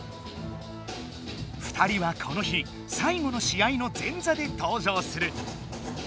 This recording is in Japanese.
２人はこの日さい後のし合の前座でとう場する。